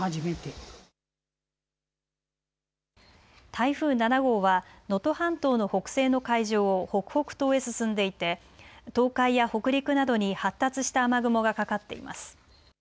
台風７号は能登半島の北西の海上を北北東へ進んでいて東海や北陸などに発達した雨雲がかかっています。